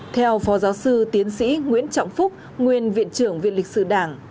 theo phó giáo sư tiến sĩ nguyễn trọng phúc nguyên viện trưởng viện lịch sử đảng